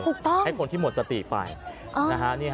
ให้คนที่หมดสติไป